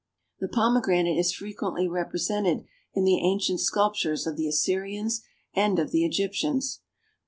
The Pomegranate is frequently represented in the ancient sculptures of the Assyrians and of the Egyptians.